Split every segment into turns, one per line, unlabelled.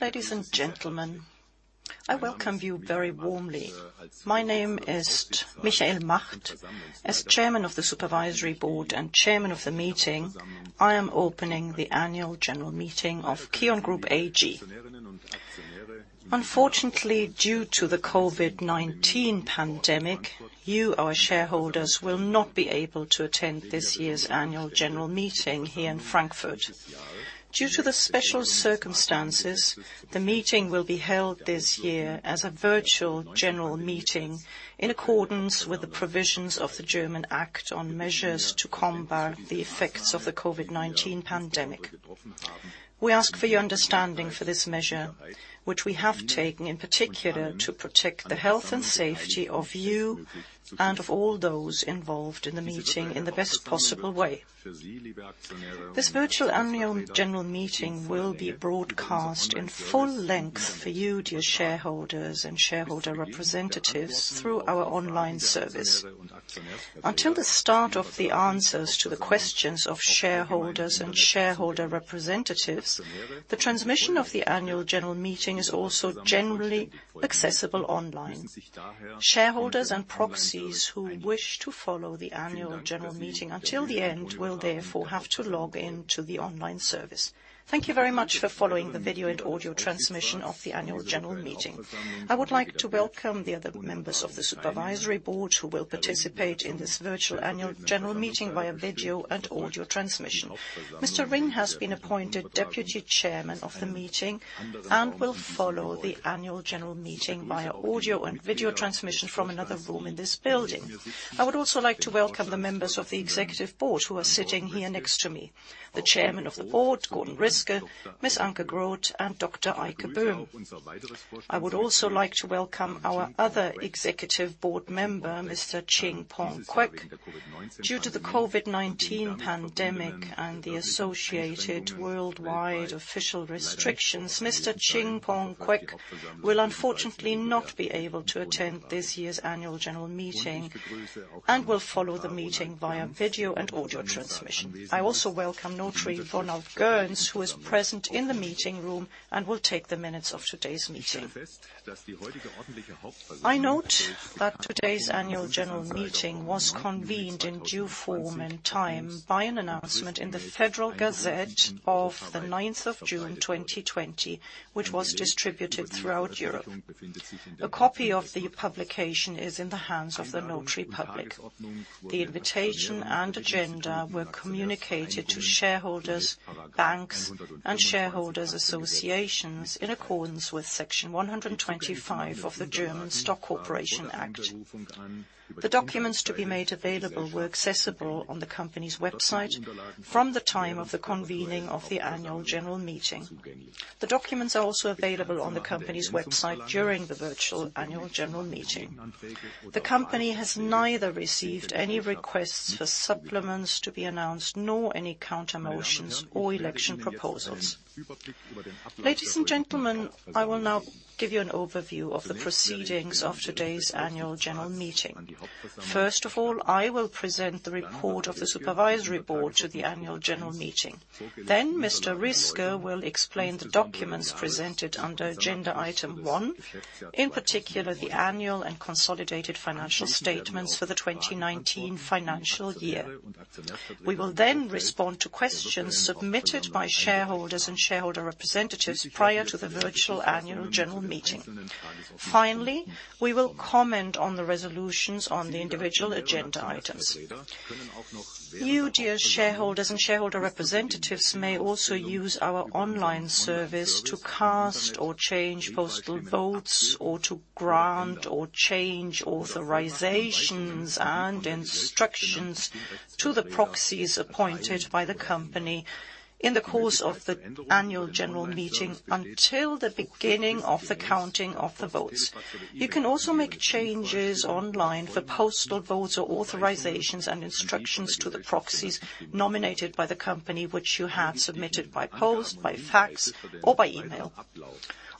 Ladies and gentlemen, I welcome you very warmly. My name is Michael Macht. As Chairman of the Supervisory Board and Chairman of the Meeting, I am opening the Annual General Meeting of KION Group AG. Unfortunately, due to the COVID-19 pandemic, you, our shareholders, will not be able to attend this year's Annual General Meeting here in Frankfurt. Due to the special circumstances, the meeting will be held this year as a virtual general meeting in accordance with the provisions of the German Act on Measures to Combat the Effects of the COVID-19 Pandemic. We ask for your understanding for this measure, which we have taken in particular to protect the health and safety of you and of all those involved in the meeting in the best possible way. This virtual Annual General Meeting will be broadcast in full length for you, dear shareholders and shareholder representatives, through our online service. Until the start of the answers to the questions of shareholders and shareholder representatives, the transmission of the Annual General Meeting is also generally accessible online. Shareholders and proxies who wish to follow the Annual General Meeting until the end will therefore have to log in to the online service. Thank you very much for following the video and audio transmission of the Annual General Meeting. I would like to welcome the other members of the Supervisory Board who will participate in this virtual Annual General Meeting via video and audio transmission. Mr. Ring has been appointed Deputy Chairman of the Meeting and will follow the Annual General Meeting via audio and video transmission from another room in this building. I would also like to welcome the members of the Executive Board who are sitting here next to me: the Chairman of the Board, Gordon Riske, Ms. Anke Groth, and Dr. Eike Brümmer. I would also like to welcome our other Executive Board member, Mr. Ching-Pong Kwek. Due to the COVID-19 pandemic and the associated worldwide official restrictions, Mr. Ching-Pong Kwek will unfortunately not be able to attend this year's Annual General Meeting and will follow the meeting via video and audio transmission. I also welcome Notary Donald Gerns, who is present in the meeting room and will take the minutes of today's meeting. I note that today's Annual General Meeting was convened in due form and time by an announcement in the Federal Gazette of the 9th of June 2020, which was distributed throughout Europe. A copy of the publication is in the hands of the notary public. The invitation and agenda were communicated to shareholders, banks, and shareholders' associations in accordance with Section 125 of the German Stock Corporation Act. The documents to be made available were accessible on the company's website from the time of the convening of the Annual General Meeting. The documents are also available on the company's website during the virtual Annual General Meeting. The company has neither received any requests for supplements to be announced nor any counter-motions or election proposals. Ladies and gentlemen, I will now give you an overview of the proceedings of today's Annual General Meeting. First of all, I will present the report of the Supervisory Board to the Annual General Meeting. Then, Mr. Riske will explain the documents presented under Agenda Item 1, in particular the Annual and Consolidated Financial Statements for the 2019 financial year. We will then respond to questions submitted by shareholders and shareholder representatives prior to the virtual Annual General Meeting. Finally, we will comment on the resolutions on the individual agenda items. You, dear shareholders and shareholder representatives, may also use our online service to cast or change postal votes or to grant or change authorizations and instructions to the proxies appointed by the company in the course of the Annual General Meeting until the beginning of the counting of the votes. You can also make changes online for postal votes or authorizations and instructions to the proxies nominated by the company, which you have submitted by post, by fax, or by email.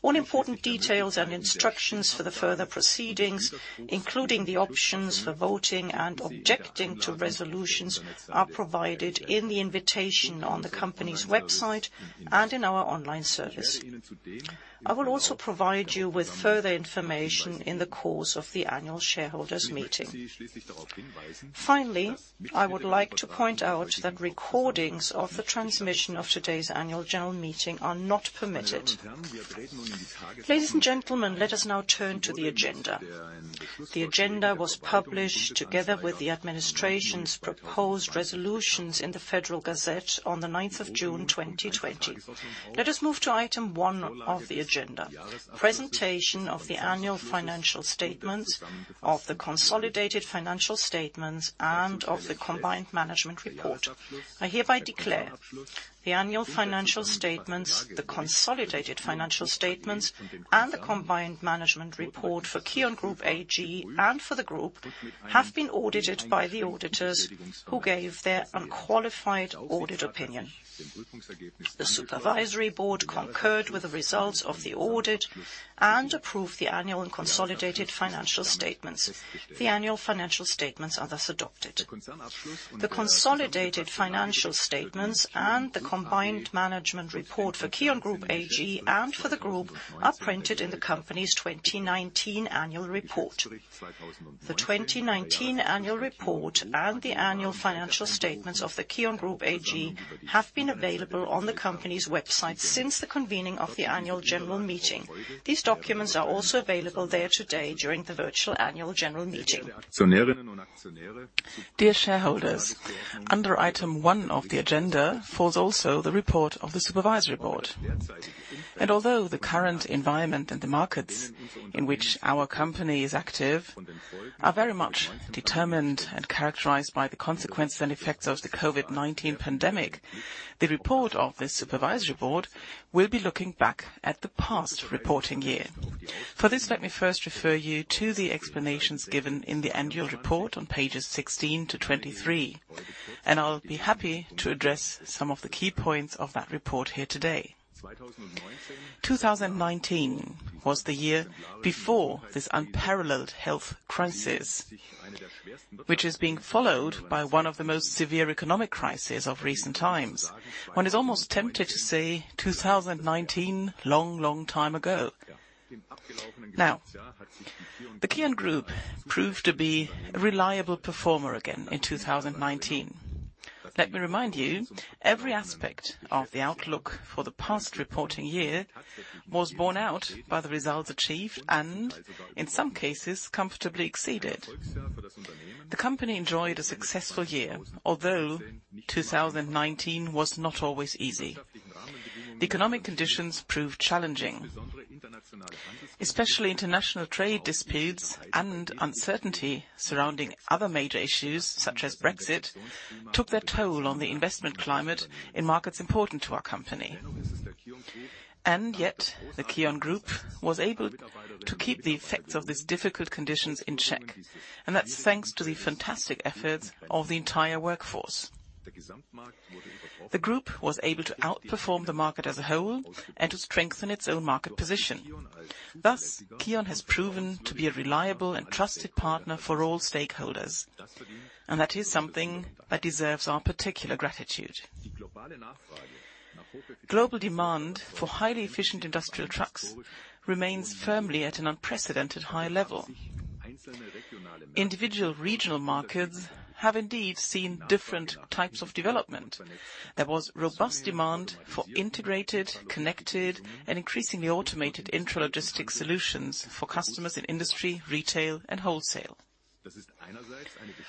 All important details and instructions for the further proceedings, including the options for voting and objecting to resolutions, are provided in the invitation on the company's website and in our online service. I will also provide you with further information in the course of the Annual Shareholders' Meeting. Finally, I would like to point out that recordings of the transmission of today's Annual General Meeting are not permitted. Ladies and gentlemen, let us now turn to the agenda. The agenda was published together with the administration's proposed resolutions in the Federal Gazette on the 9th of June 2020. Let us move to Item 1 of the agenda: Presentation of the Annual Financial Statements, of the Consolidated Financial Statements, and of the Combined Management Report. I hereby declare: The Annual Financial Statements, the Consolidated Financial Statements, and the Combined Management Report for KION Group AG and for the Group have been audited by the auditors who gave their qualified audit opinion. The Supervisory Board concurred with the results of the audit and approved the Annual and Consolidated Financial Statements. The Annual Financial Statements are thus adopted. The Consolidated Financial Statements and the Combined Management Report for KION Group AG and for the Group are printed in the company's 2019 Annual Report. The 2019 Annual Report and the Annual Financial Statements of KION Group AG have been available on the company's website since the convening of the Annual General Meeting. These documents are also available there today during the virtual Annual General Meeting. Dear shareholders, under Item 1 of the agenda falls also the report of the Supervisory Board. Although the current environment and the markets in which our company is active are very much determined and characterized by the consequences and effects of the COVID-19 pandemic, the report of the Supervisory Board will be looking back at the past reporting year. For this, let me first refer you to the explanations given in the Annual Report on pages 16 to 23, and I'll be happy to address some of the key points of that report here today. 2019 was the year before this unparalleled health crisis, which is being followed by one of the most severe economic crises of recent times. One is almost tempted to say 2019, long, long time ago. Now, the KION Group proved to be a reliable performer again in 2019. Let me remind you, every aspect of the outlook for the past reporting year was borne out by the results achieved and, in some cases, comfortably exceeded. The company enjoyed a successful year, although 2019 was not always easy. The economic conditions proved challenging, especially international trade disputes and uncertainty surrounding other major issues such as Brexit took their toll on the investment climate in markets important to our company. Yet, the KION Group was able to keep the effects of these difficult conditions in check, and that's thanks to the fantastic efforts of the entire workforce. The Group was able to outperform the market as a whole and to strengthen its own market position. Thus, KION has proven to be a reliable and trusted partner for all stakeholders, and that is something that deserves our particular gratitude. Global demand for highly efficient industrial trucks remains firmly at an unprecedented high level. Individual regional markets have indeed seen different types of development. There was robust demand for integrated, connected, and increasingly automated intralogistics solutions for customers in industry, retail, and wholesale.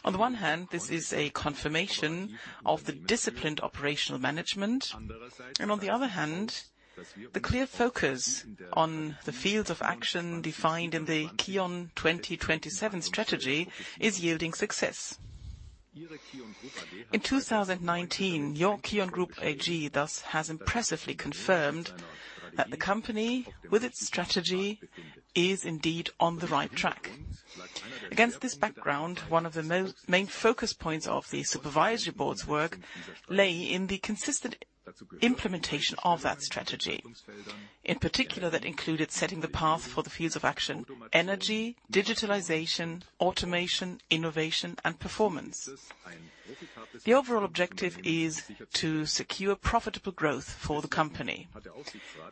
On the one hand, this is a confirmation of the disciplined operational management, and on the other hand, the clear focus on the fields of action defined in the KION 2027 strategy is yielding success. In 2019, your KION Group AG thus has impressively confirmed that the company, with its strategy, is indeed on the right track. Against this background, one of the main focus points of the Supervisory Board's work lay in the consistent implementation of that strategy, in particular that included setting the path for the fields of action: energy, digitalization, automation, innovation, and performance. The overall objective is to secure profitable growth for the company,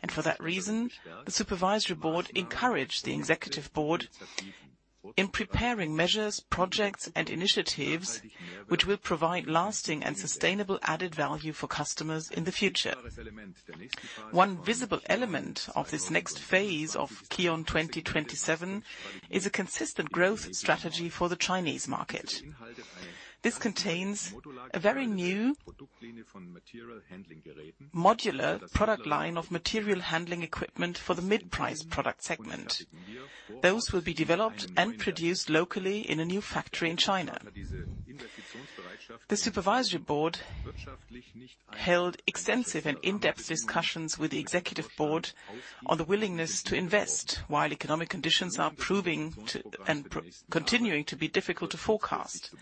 and for that reason, the Supervisory Board encouraged the Executive Board in preparing measures, projects, and initiatives which will provide lasting and sustainable added value for customers in the future. One visible element of this next phase of KION 2027 is a consistent growth strategy for the Chinese market. This contains a very new modular product line of material handling equipment for the mid-price product segment. Those will be developed and produced locally in a new factory in China. The Supervisory Board held extensive and in-depth discussions with the Executive Board on the willingness to invest while economic conditions are proving and continuing to be difficult to forecast.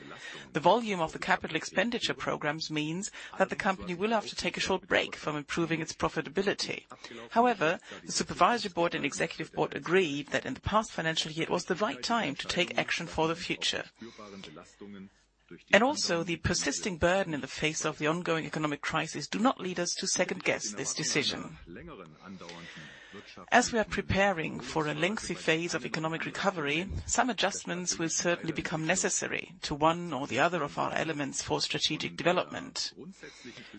The volume of the capital expenditure programs means that the company will have to take a short break from improving its profitability. However, the Supervisory Board and Executive Board agreed that in the past financial year it was the right time to take action for the future. Also, the persisting burden in the face of the ongoing economic crisis does not lead us to second-guess this decision. As we are preparing for a lengthy phase of economic recovery, some adjustments will certainly become necessary to one or the other of our elements for strategic development.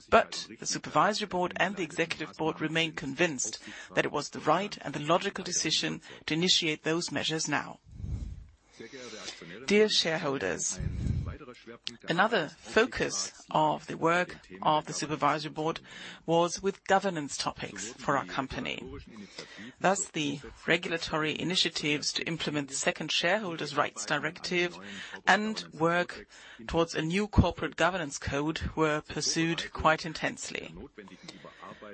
The Supervisory Board and the Executive Board remain convinced that it was the right and the logical decision to initiate those measures now. Dear shareholders, another focus of the work of the Supervisory Board was with governance topics for our company. Thus, the regulatory initiatives to implement the second shareholders' rights directive and work towards a new corporate governance code were pursued quite intensely.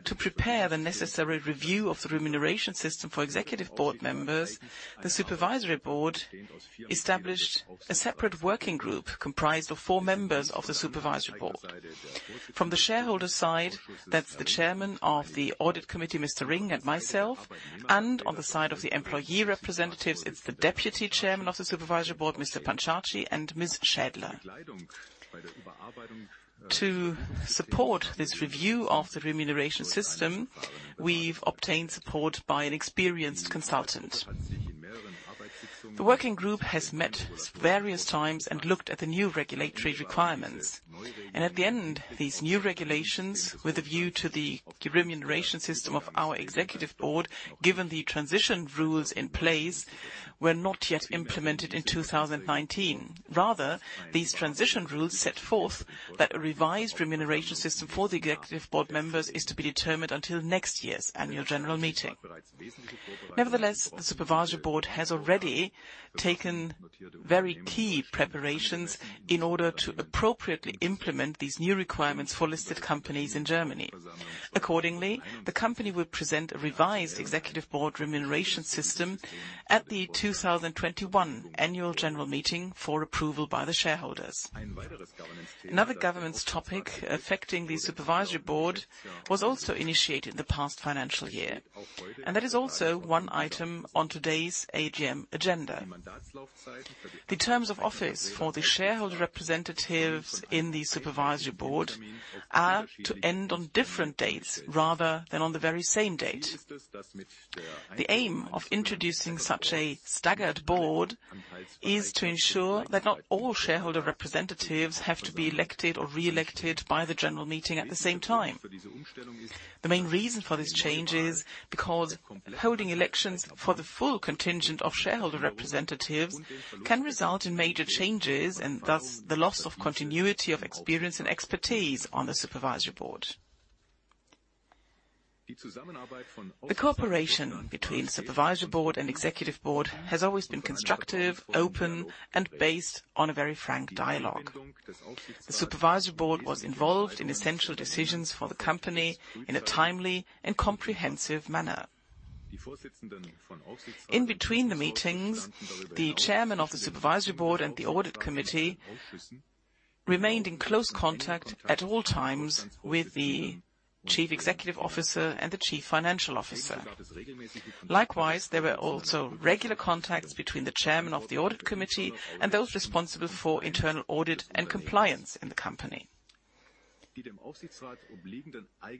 To prepare the necessary review of the remuneration system for Executive Board members, the Supervisory Board established a separate working group comprised of four members of the Supervisory Board. From the shareholders' side, that's the Chairman of the Audit Committee, Mr. Ring, and myself, and on the side of the employee representatives, it's the Deputy Chairman of the Supervisory Board, Mr. Pancharji, and Ms. Schädler. To support this review of the remuneration system, we've obtained support by an experienced consultant. The working group has met various times and looked at the new regulatory requirements. At the end, these new regulations with a view to the remuneration system of our Executive Board, given the transition rules in place, were not yet implemented in 2019. Rather, these transition rules set forth that a revised remuneration system for the Executive Board members is to be determined until next year's Annual General Meeting. Nevertheless, the Supervisory Board has already taken very key preparations in order to appropriately implement these new requirements for listed companies in Germany. Accordingly, the company will present a revised Executive Board remuneration system at the 2021 Annual General Meeting for approval by the shareholders. Another governance topic affecting the Supervisory Board was also initiated in the past financial year, and that is also one item on today's AGM agenda. The terms of office for the shareholder representatives in the Supervisory Board are to end on different dates rather than on the very same date. The aim of introducing such a staggered board is to ensure that not all shareholder representatives have to be elected or re-elected by the General Meeting at the same time. The main reason for this change is because holding elections for the full contingent of shareholder representatives can result in major changes and thus the loss of continuity of experience and expertise on the Supervisory Board. The cooperation between the Supervisory Board and Executive Board has always been constructive, open, and based on a very frank dialogue. The Supervisory Board was involved in essential decisions for the company in a timely and comprehensive manner. In between the meetings, the Chairman of the Supervisory Board and the Audit Committee remained in close contact at all times with the Chief Executive Officer and the Chief Financial Officer. Likewise, there were also regular contacts between the Chairman of the Audit Committee and those responsible for internal audit and compliance in the company.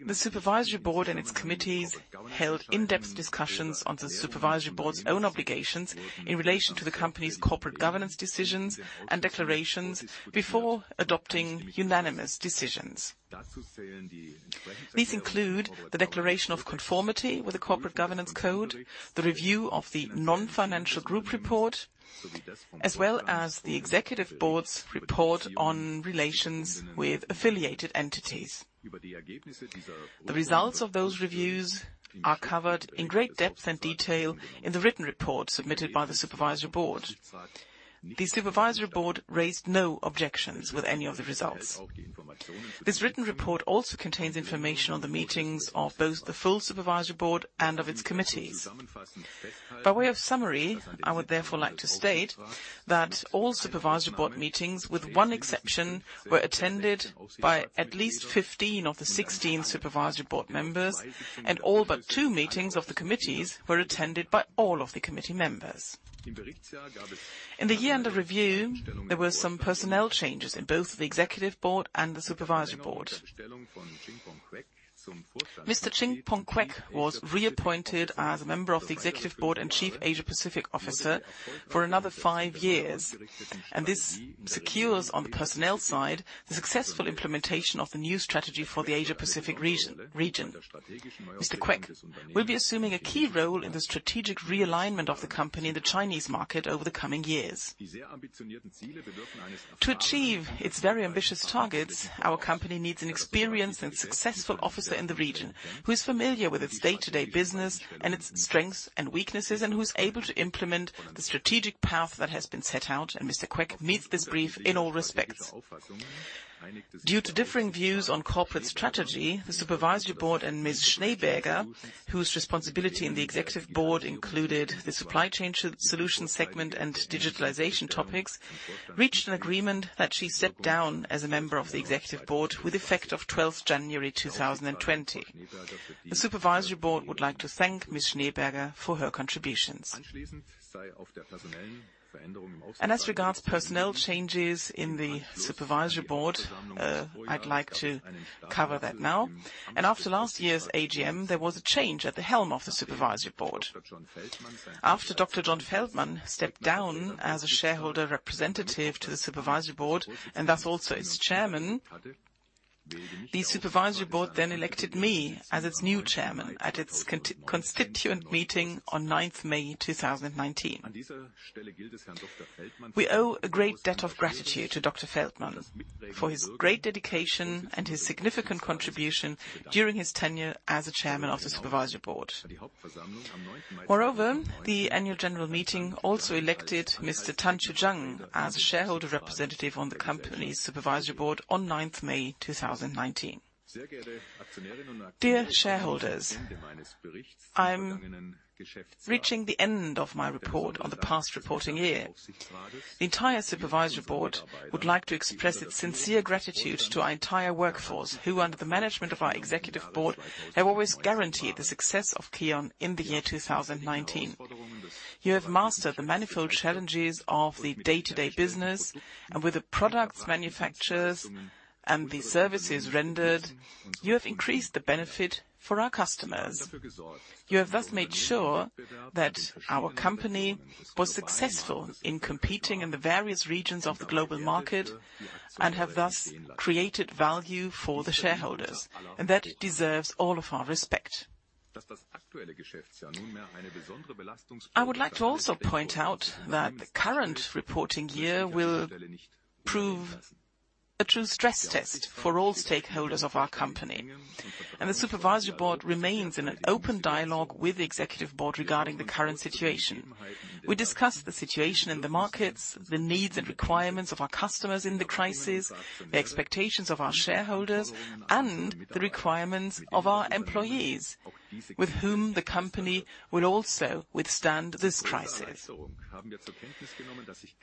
The Supervisory Board and its committees held in-depth discussions on the Supervisory Board's own obligations in relation to the company's corporate governance decisions and declarations before adopting unanimous decisions. These include the declaration of conformity with the corporate governance code, the review of the Non-Financial Group Report, as well as the Executive Board's report on relations with affiliated entities. The results of those reviews are covered in great depth and detail in the written report submitted by the Supervisory Board. The Supervisory Board raised no objections with any of the results. This written report also contains information on the meetings of both the full Supervisory Board and of its committees. By way of summary, I would therefore like to state that all Supervisory Board meetings, with one exception, were attended by at least 15 of the 16 Supervisory Board members, and all but two meetings of the committees were attended by all of the committee members. In the year under review, there were some personnel changes in both the Executive Board and the Supervisory Board. Mr. Ching-Pong Kwek was reappointed as a member of the Executive Board and Chief Asia-Pacific Officer for another five years, and this secures on the personnel side the successful implementation of the new strategy for the Asia-Pacific region. Mr. Kwek will be assuming a key role in the strategic realignment of the company in the Chinese market over the coming years. To achieve its very ambitious targets, our company needs an experienced and successful officer in the region who is familiar with its day-to-day business and its strengths and weaknesses, and who is able to implement the strategic path that has been set out, and Mr. Kwek meets this brief in all respects. Due to differing views on corporate strategy, the Supervisory Board and Ms. Schneeberger, whose responsibility in the Executive Board included the supply chain solution segment and digitalization topics, reached an agreement that she sat down as a member of the Executive Board with effect of 12 January 2020. The Supervisory Board would like to thank Ms. Schneeberger for her contributions. As regards personnel changes in the Supervisory Board, I'd like to cover that now. After last year's AGM, there was a change at the helm of the Supervisory Board. After Dr. John Feldmann stepped down as a shareholder representative to the Supervisory Board and thus also its chairman, the Supervisory Board then elected me as its new chairman at its constituent meeting on 9 May 2019. We owe a great debt of gratitude to Dr. Feldmann for his great dedication and his significant contribution during his tenure as a chairman of the Supervisory Board. Moreover, the Annual General Meeting also elected Mr. Tan Chu Jiang as a shareholder representative on the company's Supervisory Board on 9 May 2019. Dear shareholders, I'm reaching the end of my report on the past reporting year. The entire Supervisory Board would like to express its sincere gratitude to our entire workforce who, under the management of our Executive Board, have always guaranteed the success of KION in the year 2019. You have mastered the manifold challenges of the day-to-day business, and with the products manufactured and the services rendered, you have increased the benefit for our customers. You have thus made sure that our company was successful in competing in the various regions of the global market and have thus created value for the shareholders, and that deserves all of our respect. I would like to also point out that the current reporting year will prove a true stress test for all stakeholders of our company. The Supervisory Board remains in an open dialogue with the Executive Board regarding the current situation. We discuss the situation in the markets, the needs and requirements of our customers in the crisis, the expectations of our shareholders, and the requirements of our employees with whom the company will also withstand this crisis.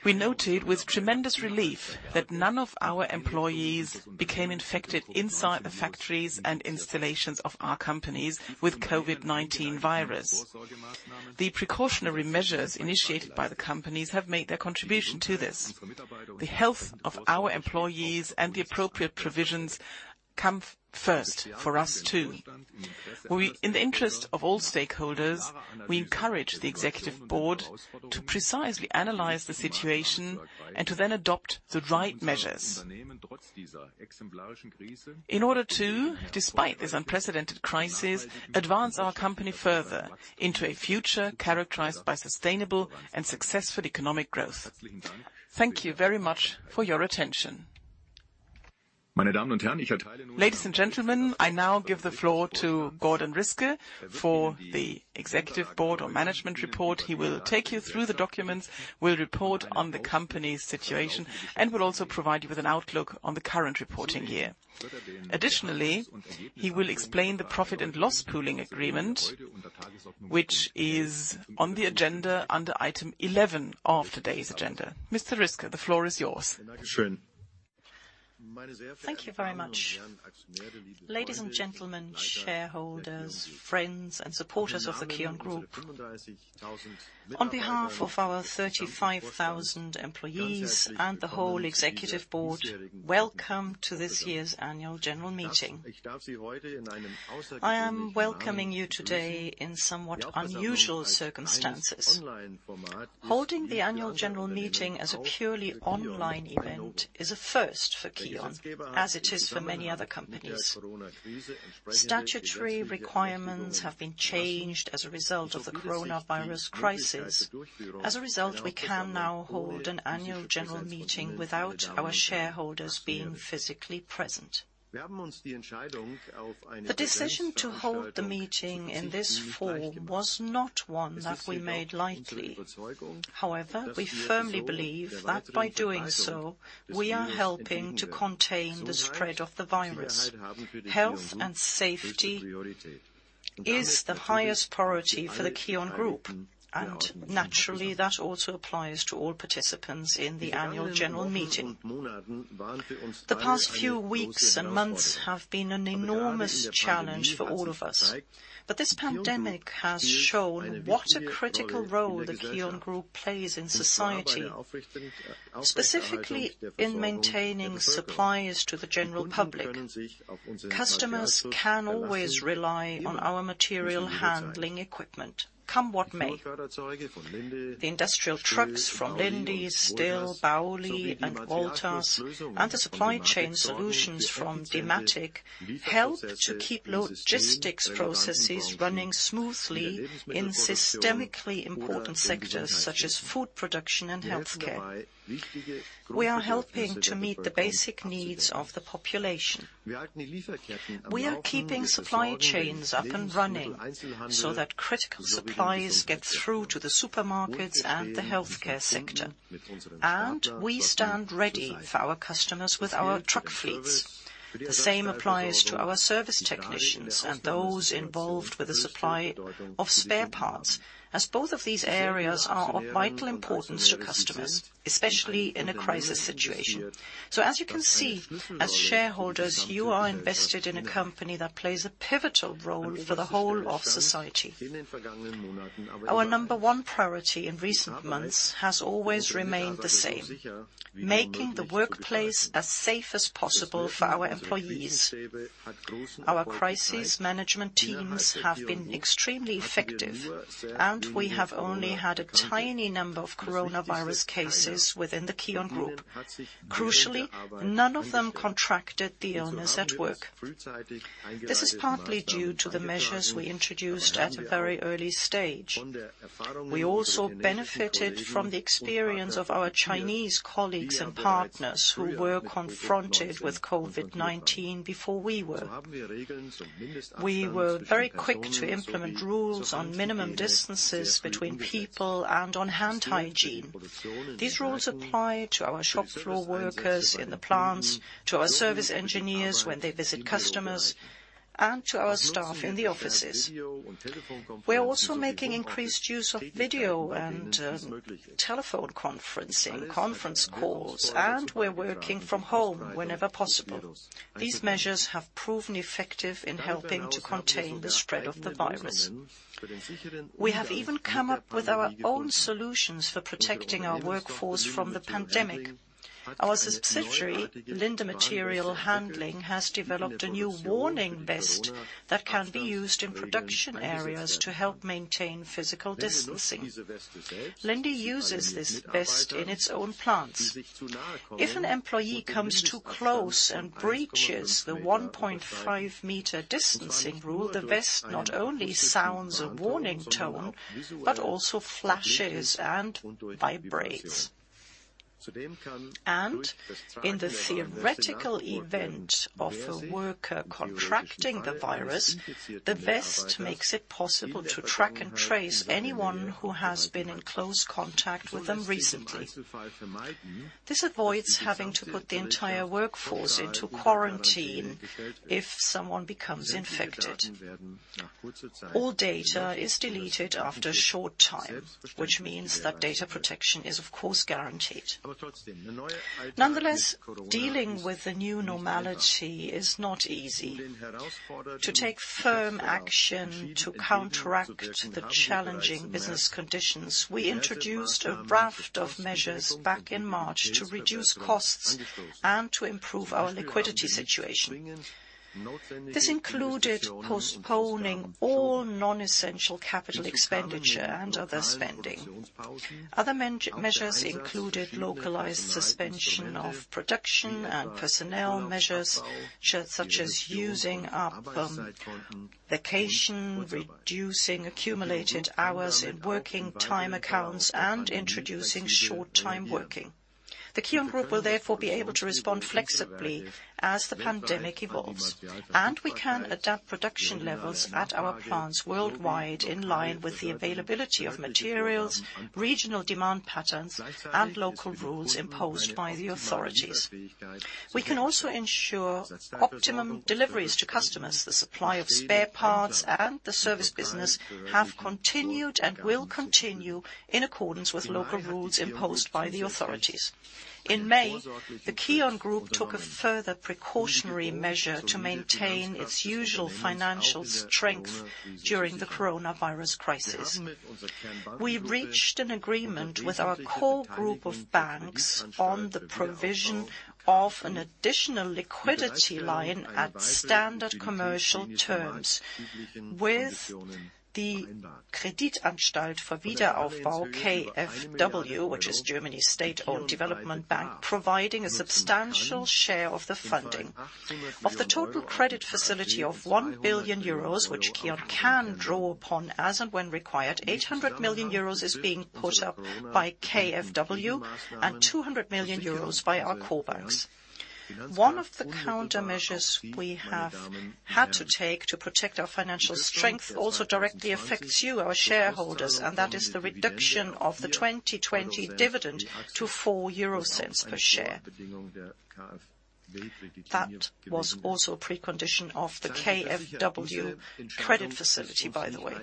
We noted with tremendous relief that none of our employees became infected inside the factories and installations of our companies with COVID-19 virus. The precautionary measures initiated by the companies have made their contribution to this. The health of our employees and the appropriate provisions come first for us too. In the interest of all stakeholders, we encourage the Executive Board to precisely analyze the situation and to then adopt the right measures in order to, despite this unprecedented crisis, advance our company further into a future characterized by sustainable and successful economic growth. Thank you very much for your attention. Ladies and gentlemen, I now give the floor to Gordon Riske. For the Executive Board on Management Report, he will take you through the documents, will report on the company's situation, and will also provide you with an outlook on the current reporting year. Additionally, he will explain the profit and loss pooling agreement, which is on the agenda under item 11 of today's agenda. Mr. Riske, the floor is yours.
Thank you very much. Ladies and gentlemen, shareholders, friends, and supporters of the KION Group, on behalf of our 35,000 employees and the whole Executive Board, welcome to this year's Annual General Meeting. I am welcoming you today in somewhat unusual circumstances. Holding the Annual General Meeting as a purely online event is a first for KION, as it is for many other companies. Statutory requirements have been changed as a result of the coronavirus crisis. As a result, we can now hold an Annual General Meeting without our shareholders being physically present. The decision to hold the meeting in this form was not one that we made lightly. However, we firmly believe that by doing so, we are helping to contain the spread of the virus. Health and safety is the highest priority for the KION Group, and naturally, that also applies to all participants in the Annual General Meeting. The past few weeks and months have been an enormous challenge for all of us, but this pandemic has shown what a critical role the KION Group plays in society, specifically in maintaining supplies to the general public. Customers can always rely on our material handling equipment, come what may. The industrial trucks from Linde, STILL, Baoli, and OM Voltas, and the supply chain solutions from Dematic, help to keep logistics processes running smoothly in systemically important sectors such as food production and healthcare. We are helping to meet the basic needs of the population. We are keeping supply chains up and running so that critical supplies get through to the supermarkets and the healthcare sector, and we stand ready for our customers with our truck fleets. The same applies to our service technicians and those involved with the supply of spare parts, as both of these areas are of vital importance to customers, especially in a crisis situation. As you can see, as shareholders, you are invested in a company that plays a pivotal role for the whole of society. Our number one priority in recent months has always remained the same: making the workplace as safe as possible for our employees. Our crisis management teams have been extremely effective, and we have only had a tiny number of coronavirus cases within the KION Group. Crucially, none of them contracted the illness at work. This is partly due to the measures we introduced at a very early stage. We also benefited from the experience of our Chinese colleagues and partners who were confronted with COVID-19 before we were. We were very quick to implement rules on minimum distances between people and on hand hygiene. These rules apply to our shop floor workers in the plants, to our service engineers when they visit customers, and to our staff in the offices. We are also making increased use of video and telephone conferencing, conference calls, and we're working from home whenever possible. These measures have proven effective in helping to contain the spread of the virus. We have even come up with our own solutions for protecting our workforce from the pandemic. Our subsidiary, Linde Material Handling, has developed a new warning vest that can be used in production areas to help maintain physical distancing. Linde uses this vest in its own plants. If an employee comes too close and breaches the 1.5-meter distancing rule, the vest not only sounds a warning tone, but also flashes and vibrates. In the theoretical event of a worker contracting the virus, the vest makes it possible to track and trace anyone who has been in close contact with them recently. This avoids having to put the entire workforce into quarantine if someone becomes infected. All data is deleted after a short time, which means that data protection is, of course, guaranteed. Nonetheless, dealing with the new normality is not easy. To take firm action to counteract the challenging business conditions, we introduced a raft of measures back in March to reduce costs and to improve our liquidity situation. This included postponing all non-essential capital expenditure and other spending. Other measures included localized suspension of production and personnel measures, such as using up vacation, reducing accumulated hours in working time accounts, and introducing short-time working. The KION Group will therefore be able to respond flexibly as the pandemic evolves, and we can adapt production levels at our plants worldwide in line with the availability of materials, regional demand patterns, and local rules imposed by the authorities. We can also ensure optimum deliveries to customers. The supply of spare parts and the service business have continued and will continue in accordance with local rules imposed by the authorities. In May, the KION Group took a further precautionary measure to maintain its usual financial strength during the coronavirus crisis. We reached an agreement with our core group of banks on the provision of an additional liquidity line at standard commercial terms with the Kreditanstalt für Wiederaufbau (KfW), which is Germany's state-owned development bank, providing a substantial share of the funding. Of the total credit facility of 1 billion euros, which KION can draw upon as and when required, 800 million euros is being put up by KfW and 200 million euros by our core banks. One of the countermeasures we have had to take to protect our financial strength also directly affects you, our shareholders, and that is the reduction of the 2020 dividend to 0.04 per share. That was also a precondition of the KfW credit facility, by the way.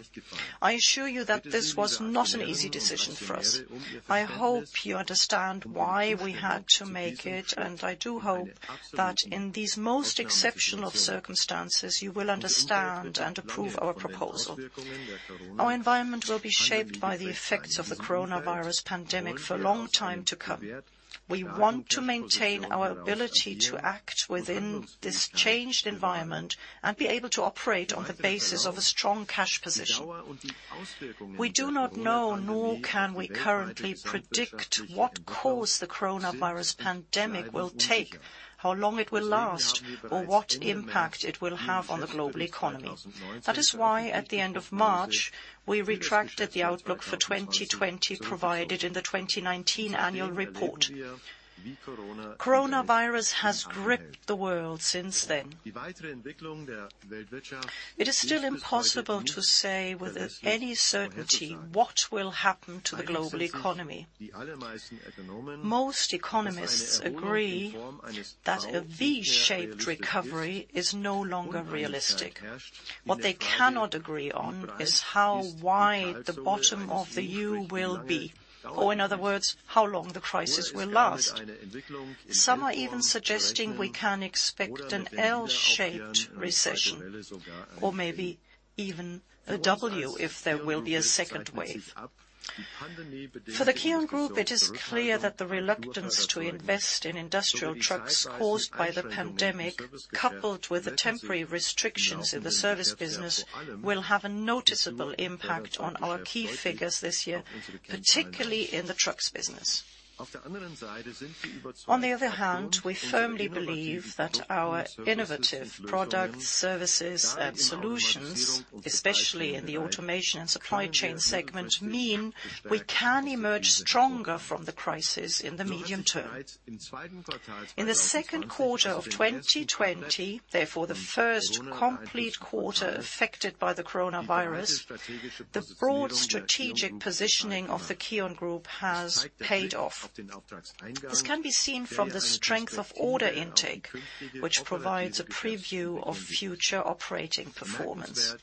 I assure you that this was not an easy decision for us. I hope you understand why we had to make it, and I do hope that in these most exceptional circumstances, you will understand and approve our proposal. Our environment will be shaped by the effects of the coronavirus pandemic for a long time to come. We want to maintain our ability to act within this changed environment and be able to operate on the basis of a strong cash position. We do not know, nor can we currently predict what course the coronavirus pandemic will take, how long it will last, or what impact it will have on the global economy. That is why, at the end of March, we retracted the outlook for 2020 provided in the 2019 Annual Report. Coronavirus has gripped the world since then. It is still impossible to say with any certainty what will happen to the global economy. Most economists agree that a V-shaped recovery is no longer realistic. What they cannot agree on is how wide the bottom of the U will be, or in other words, how long the crisis will last. Some are even suggesting we can expect an L-shaped recession, or maybe even a W if there will be a second wave. For the KION Group, it is clear that the reluctance to invest in industrial trucks caused by the pandemic, coupled with the temporary restrictions in the service business, will have a noticeable impact on our key figures this year, particularly in the trucks business. On the other hand, we firmly believe that our innovative products, services, and solutions, especially in the automation and supply chain segment, mean we can emerge stronger from the crisis in the medium term. In the second quarter of 2020, therefore the first complete quarter affected by the coronavirus, the broad strategic positioning of the KION Group has paid off. This can be seen from the strength of order intake, which provides a preview of future operating performance.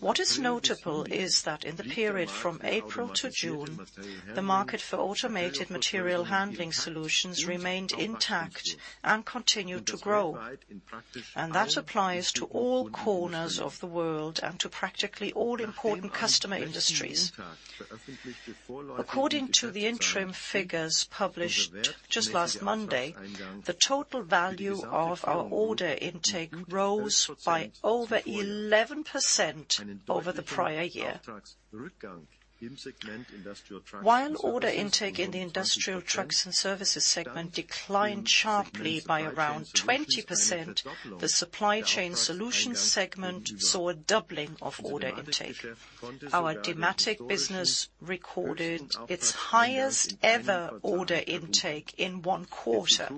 What is notable is that in the period from April to June, the market for automated material handling solutions remained intact and continued to grow, and that applies to all corners of the world and to practically all important customer industries. According to the interim figures published just last Monday, the total value of our order intake rose by over 11% over the prior year. While order intake in the industrial trucks and services segment declined sharply by around 20%, the supply chain solution segment saw a doubling of order intake. Our Dematic business recorded its highest-ever order intake in one quarter.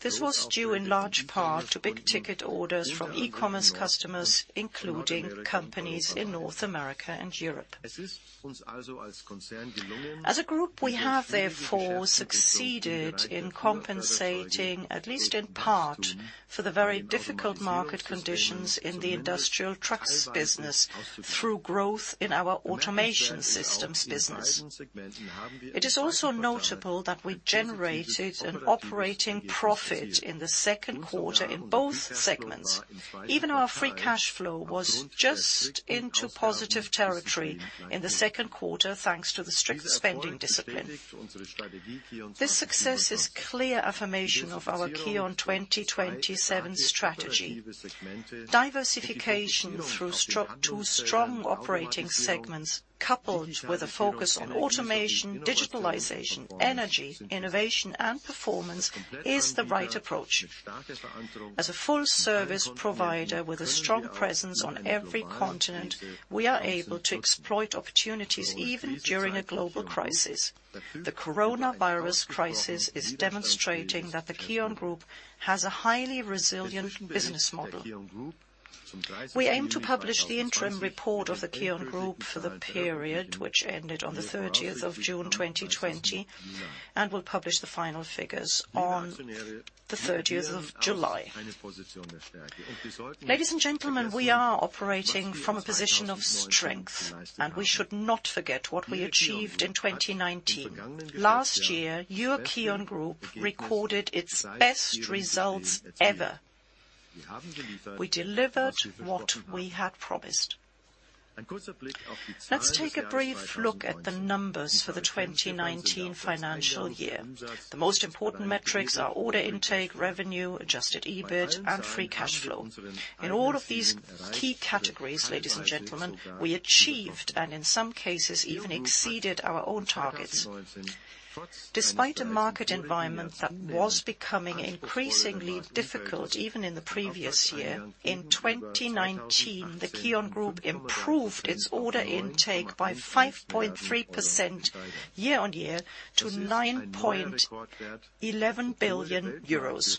This was due in large part to big-ticket orders from e-commerce customers, including companies in North America and Europe. As a group, we have therefore succeeded in compensating, at least in part, for the very difficult market conditions in the industrial trucks business through growth in our automation systems business. It is also notable that we generated an operating profit in the second quarter in both segments, even though our free cash flow was just into positive territory in the second quarter thanks to the strict spending discipline. This success is a clear affirmation of our KION 2027 strategy: diversification through two strong operating segments, coupled with a focus on automation, digitalization, energy, innovation, and performance, is the right approach. As a full-service provider with a strong presence on every continent, we are able to exploit opportunities even during a global crisis. The coronavirus crisis is demonstrating that the KION Group has a highly resilient business model. We aim to publish the interim report of the KION Group for the period, which ended on the 30th of June 2020, and we'll publish the final figures on the 30th of July. Ladies and gentlemen, we are operating from a position of strength, and we should not forget what we achieved in 2019. Last year, your KION Group recorded its best results ever. We delivered what we had promised. Let's take a brief look at the numbers for the 2019 financial year. The most important metrics are order intake, revenue, adjusted EBIT, and free cash flow. In all of these key categories, ladies and gentlemen, we achieved and, in some cases, even exceeded our own targets. Despite a market environment that was becoming increasingly difficult even in the previous year, in 2019, the KION Group improved its order intake by 5.3% year on year to 9.11 billion euros.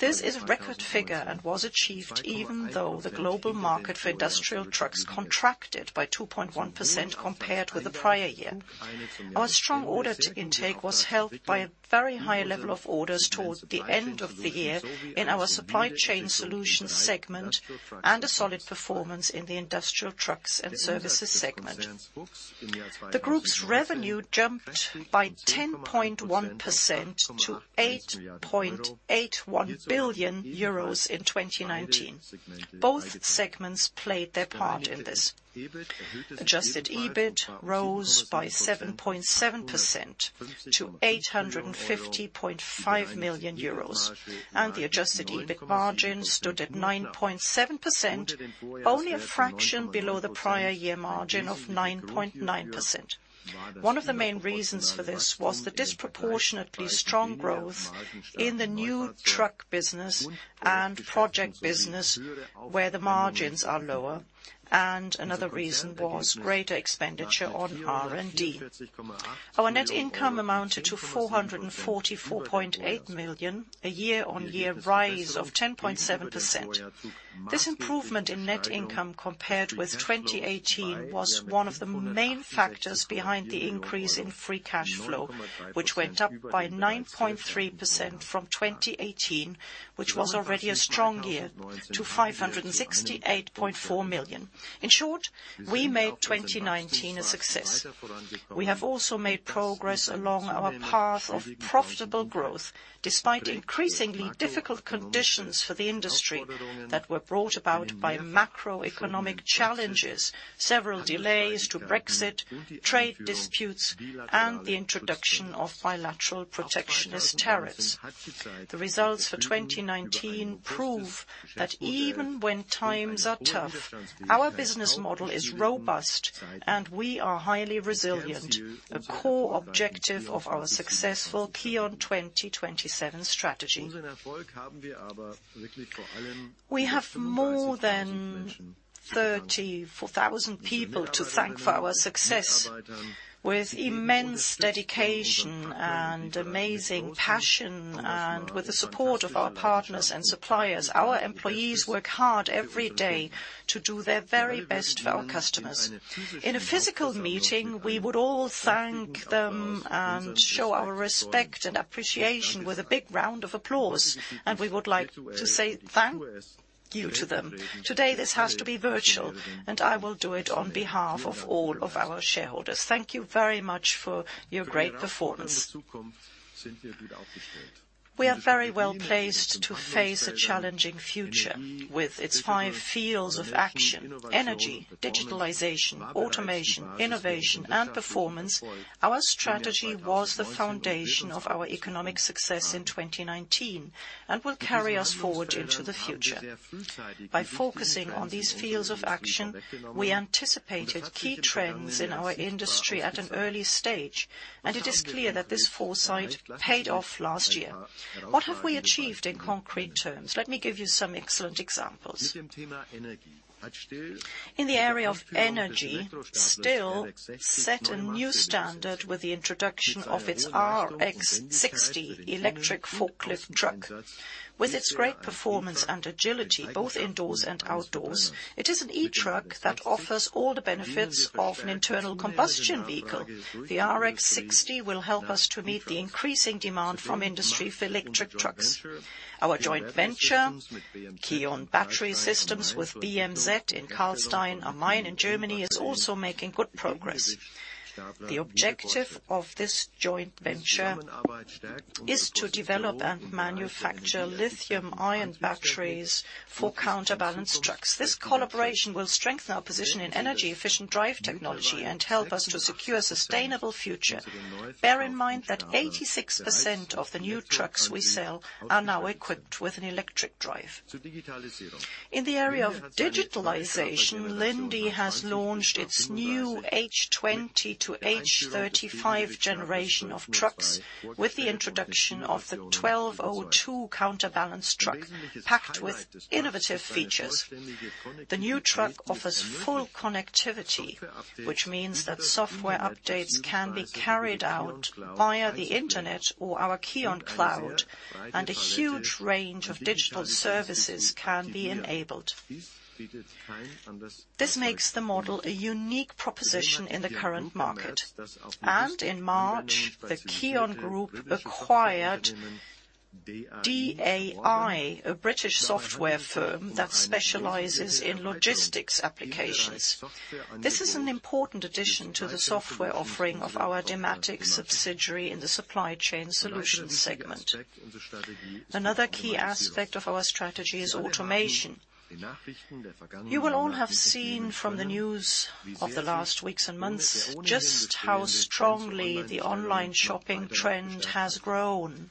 This is a record figure and was achieved even though the global market for industrial trucks contracted by 2.1% compared with the prior year. Our strong order intake was helped by a very high level of orders toward the end of the year in our supply chain solution segment and a solid performance in the industrial trucks and services segment. The group's revenue jumped by 10.1% to 8.81 billion euros in 2019. Both segments played their part in this. Adjusted EBIT rose by 7.7% to 850.5 million euros, and the adjusted EBIT margin stood at 9.7%, only a fraction below the prior year margin of 9.9%. One of the main reasons for this was the disproportionately strong growth in the new truck business and project business, where the margins are lower, and another reason was greater expenditure on R&D. Our net income amounted to 444.8 million, a year-on-year rise of 10.7%. This improvement in net income compared with 2018 was one of the main factors behind the increase in free cash flow, which went up by 9.3% from 2018, which was already a strong year, to 568.4 million. In short, we made 2019 a success. We have also made progress along our path of profitable growth despite increasingly difficult conditions for the industry that were brought about by macroeconomic challenges, several delays to Brexit, trade disputes, and the introduction of bilateral protectionist tariffs. The results for 2019 prove that even when times are tough, our business model is robust and we are highly resilient, a core objective of our successful KION 2027 strategy. We have more than 34,000 people to thank for our success, with immense dedication and amazing passion, and with the support of our partners and suppliers. Our employees work hard every day to do their very best for our customers. In a physical meeting, we would all thank them and show our respect and appreciation with a big round of applause, and we would like to say thank you to them. Today, this has to be virtual, and I will do it on behalf of all of our shareholders. Thank you very much for your great performance. We are very well placed to face a challenging future. With its five fields of action: energy, digitalization, automation, innovation, and performance, our strategy was the foundation of our economic success in 2019 and will carry us forward into the future. By focusing on these fields of action, we anticipated key trends in our industry at an early stage, and it is clear that this foresight paid off last year. What have we achieved in concrete terms? Let me give you some excellent examples. In the area of energy, STILL set a new standard with the introduction of its RX60 electric forklift truck. With its great performance and agility, both indoors and outdoors, it is an e-truck that offers all the benefits of an internal combustion vehicle. The RX60 will help us to meet the increasing demand from industry for electric trucks. Our joint venture, KION Battery Systems with BMZ in Karlstein, a mine in Germany, is also making good progress. The objective of this joint venture is to develop and manufacture lithium-ion batteries for counterbalance trucks. This collaboration will strengthen our position in energy-efficient drive technology and help us to secure a sustainable future. Bear in mind that 86% of the new trucks we sell are now equipped with an electric drive. In the area of digitalization, Linde has launched its new H20 to H35 generation of trucks with the introduction of the 1202 counterbalance truck, packed with innovative features. The new truck offers full connectivity, which means that software updates can be carried out via the internet or our KION Cloud, and a huge range of digital services can be enabled. This makes the model a unique proposition in the current market. In March, the KION Group acquired DAI, a British software firm that specializes in logistics applications. This is an important addition to the software offering of our Dematic subsidiary in the supply chain solution segment. Another key aspect of our strategy is automation. You will all have seen from the news of the last weeks and months just how strongly the online shopping trend has grown.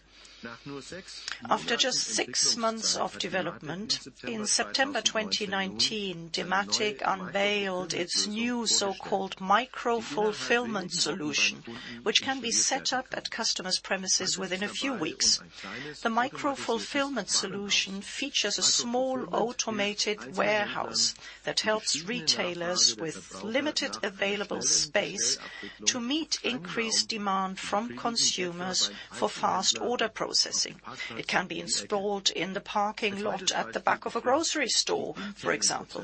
After just six months of development, in September 2019, Dematic unveiled its new so-called micro-fulfillment solution, which can be set up at customers' premises within a few weeks. The micro-fulfillment solution features a small automated warehouse that helps retailers with limited available space to meet increased demand from consumers for fast order processing. It can be installed in the parking lot at the back of a grocery store, for example.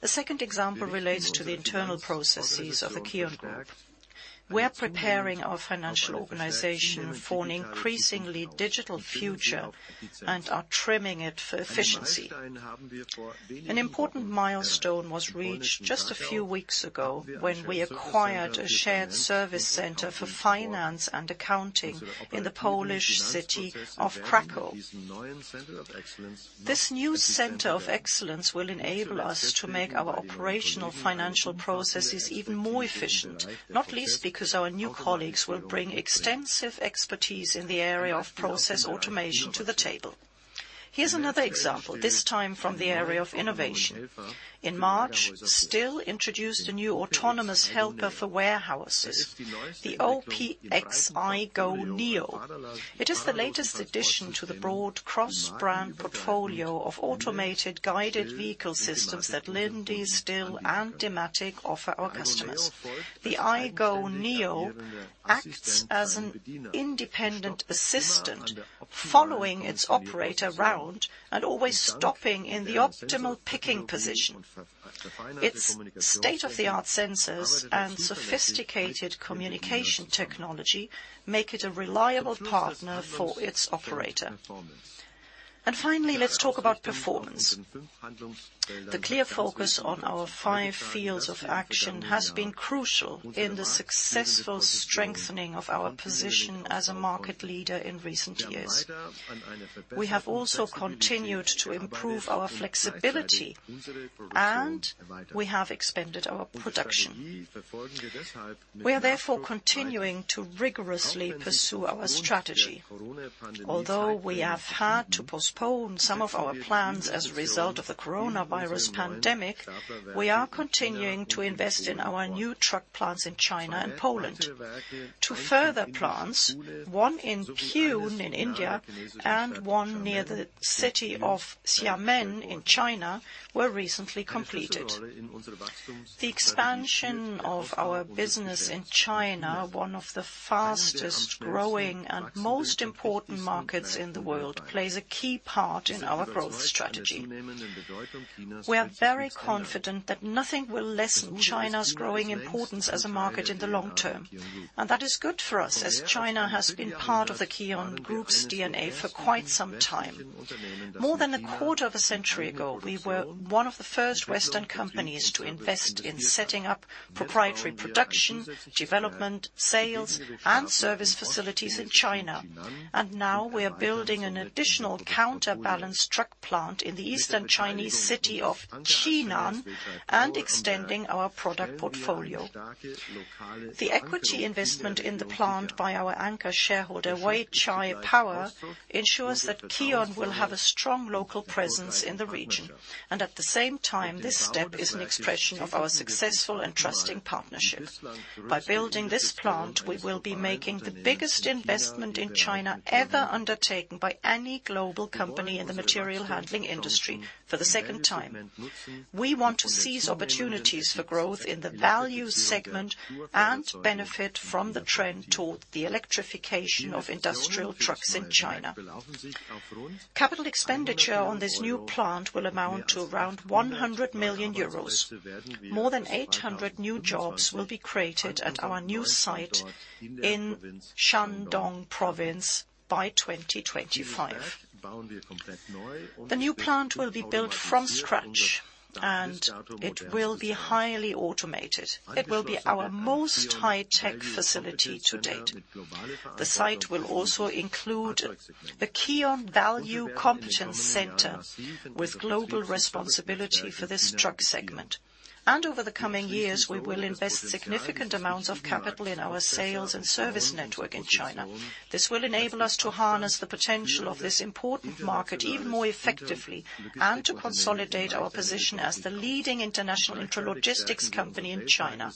A second example relates to the internal processes of the KION Group. We are preparing our financial organization for an increasingly digital future and are trimming it for efficiency. An important milestone was reached just a few weeks ago when we acquired a shared service center for finance and accounting in the Polish city of Krakow. This new center of excellence will enable us to make our operational financial processes even more efficient, not least because our new colleagues will bring extensive expertise in the area of process automation to the table. Here is another example, this time from the area of innovation. In March, STILL introduced a new autonomous helper for warehouses, the OPX iGo Neo. It is the latest addition to the broad cross-brand portfolio of automated guided vehicle systems that Linde, STILL, and Dematic offer our customers. The iGo Neo acts as an independent assistant, following its operator around and always stopping in the optimal picking position. Its state-of-the-art sensors and sophisticated communication technology make it a reliable partner for its operator. Finally, let's talk about performance. The clear focus on our five fields of action has been crucial in the successful strengthening of our position as a market leader in recent years. We have also continued to improve our flexibility, and we have expanded our production. We are therefore continuing to rigorously pursue our strategy. Although we have had to postpone some of our plans as a result of the coronavirus pandemic, we are continuing to invest in our new truck plants in China and Poland. Two further plants, one in Pune in India and one near the city of Xiamen in China, were recently completed. The expansion of our business in China, one of the fastest-growing and most important markets in the world, plays a key part in our growth strategy. We are very confident that nothing will lessen China's growing importance as a market in the long term, and that is good for us as China has been part of the KION Group's DNA for quite some time. More than a quarter of a century ago, we were one of the first Western companies to invest in setting up proprietary production, development, sales, and service facilities in China, and now we are building an additional counterbalance truck plant in the eastern Chinese city of Qinan and extending our product portfolio. The equity investment in the plant by our anchor shareholder, Weichai Power, ensures that KION will have a strong local presence in the region, and at the same time, this step is an expression of our successful and trusting partnership. By building this plant, we will be making the biggest investment in China ever undertaken by any global company in the material handling industry for the second time. We want to seize opportunities for growth in the value segment and benefit from the trend toward the electrification of industrial trucks in China. Capital expenditure on this new plant will amount to around 100 million euros. More than 800 new jobs will be created at our new site in Shandong Province by 2025. The new plant will be built from scratch, and it will be highly automated. It will be our most high-tech facility to date. The site will also include the KION Value Competence Center with global responsibility for this truck segment. Over the coming years, we will invest significant amounts of capital in our sales and service network in China. This will enable us to harness the potential of this important market even more effectively and to consolidate our position as the leading international logistics company in China.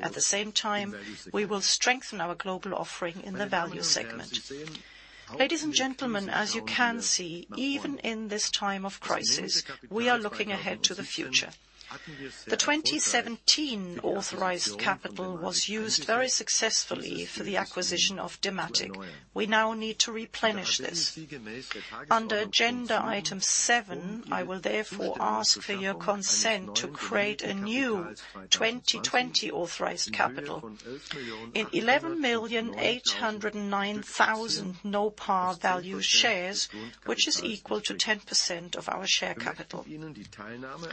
At the same time, we will strengthen our global offering in the value segment. Ladies and gentlemen, as you can see, even in this time of crisis, we are looking ahead to the future. The 2017 authorized capital was used very successfully for the acquisition of Dematic. We now need to replenish this. Under agenda item 7, I will therefore ask for your consent to create a new 2020 authorized capital in 11,809,000 NOPAR value shares, which is equal to 10% of our share capital.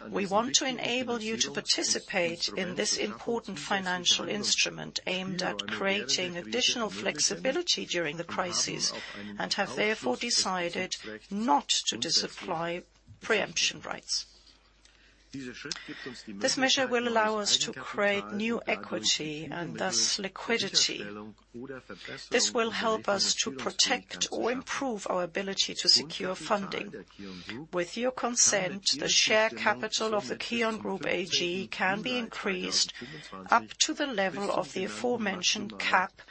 We want to enable you to participate in this important financial instrument aimed at creating additional flexibility during the crisis and have therefore decided not to disapply preemption rights. This measure will allow us to create new equity and thus liquidity. This will help us to protect or improve our ability to secure funding. With your consent, the share capital of the KION Group AG can be increased up to the level of the aforementioned cap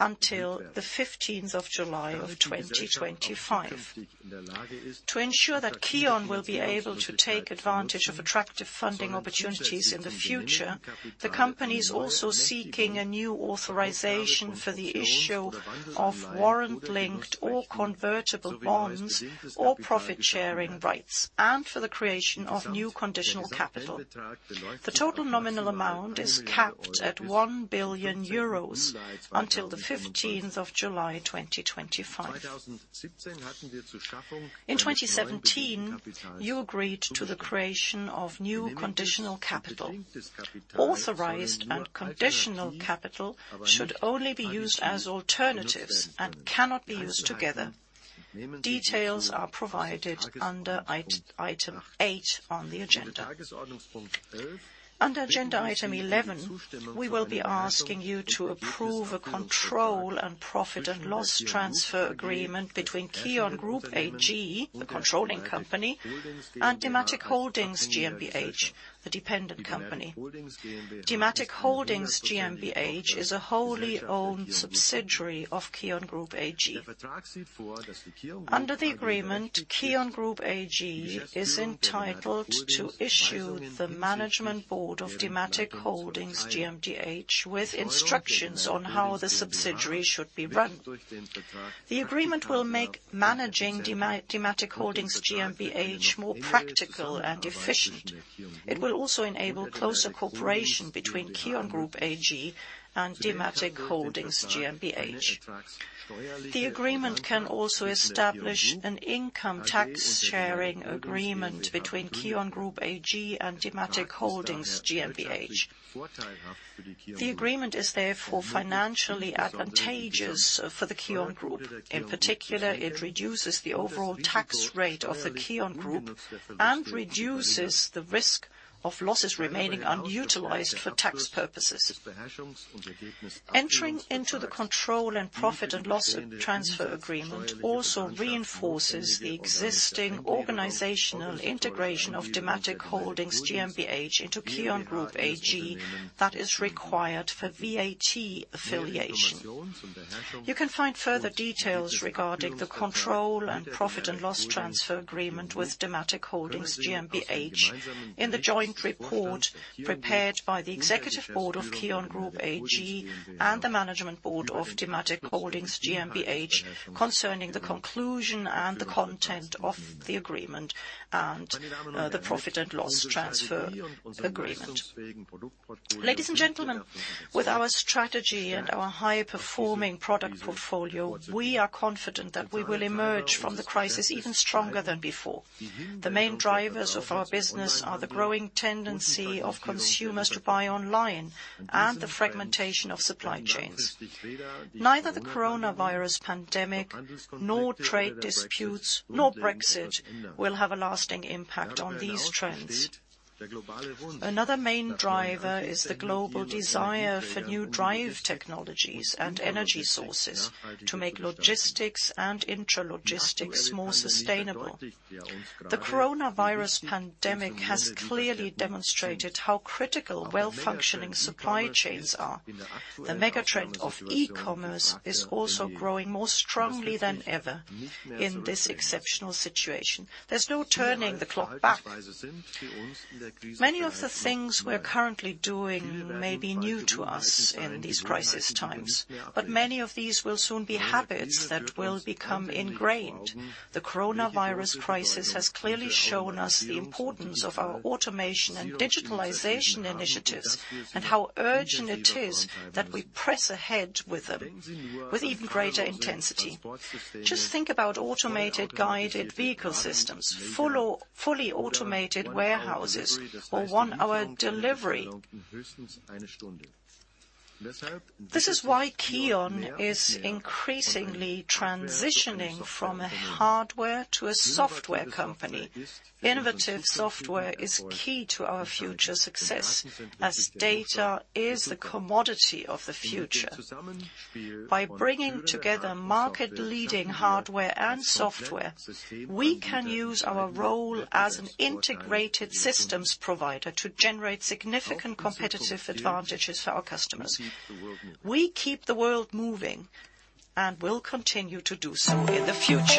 until the 15th of July 2025. To ensure that KION will be able to take advantage of attractive funding opportunities in the future, the company is also seeking a new authorization for the issue of warrant-linked or convertible bonds or profit-sharing rights and for the creation of new conditional capital. The total nominal amount is capped at 1 billion euros until the 15th of July 2025. In 2017, you agreed to the creation of new conditional capital. Authorized and conditional capital should only be used as alternatives and cannot be used together. Details are provided under item 8 on the agenda. Under agenda item 11, we will be asking you to approve a control and profit and loss transfer agreement between KION Group AG, the controlling company, and Dematic Holdings GmbH, the dependent company. Dematic Holdings GmbH is a wholly owned subsidiary of KION Group AG. Under the agreement, KION Group AG is entitled to issue the management board of Dematic Holdings GmbH with instructions on how the subsidiary should be run. The agreement will make managing Dematic Holdings GmbH more practical and efficient. It will also enable closer cooperation between KION Group AG and Dematic Holdings GmbH. The agreement can also establish an income tax sharing agreement between KION Group AG and Dematic Holdings GmbH. The agreement is therefore financially advantageous for the KION Group. In particular, it reduces the overall tax rate of the KION Group and reduces the risk of losses remaining unutilized for tax purposes. Entering into the control and profit and loss transfer agreement also reinforces the existing organizational integration of Dematic Holdings GmbH into KION Group AG that is required for VAT affiliation. You can find further details regarding the control and profit and loss transfer agreement with Dematic Holdings GmbH in the joint report prepared by the Executive Board of KION Group AG and the Management Board of Dematic Holdings GmbH concerning the conclusion and the content of the agreement and the profit and loss transfer agreement. Ladies and gentlemen, with our strategy and our high-performing product portfolio, we are confident that we will emerge from the crisis even stronger than before. The main drivers of our business are the growing tendency of consumers to buy online and the fragmentation of supply chains. Neither the coronavirus pandemic, nor trade disputes, nor Brexit will have a lasting impact on these trends. Another main driver is the global desire for new drive technologies and energy sources to make logistics and intralogistics more sustainable. The coronavirus pandemic has clearly demonstrated how critical well-functioning supply chains are. The megatrend of e-commerce is also growing more strongly than ever in this exceptional situation. There's no turning the clock back. Many of the things we are currently doing may be new to us in these crisis times, but many of these will soon be habits that will become ingrained. The coronavirus crisis has clearly shown us the importance of our automation and digitalization initiatives and how urgent it is that we press ahead with them with even greater intensity. Just think about automated guided vehicle systems, fully automated warehouses, or one-hour delivery. This is why KION is increasingly transitioning from a hardware to a software company. Innovative software is key to our future success as data is the commodity of the future. By bringing together market-leading hardware and software, we can use our role as an integrated systems provider to generate significant competitive advantages for our customers. We keep the world moving and will continue to do so in the future.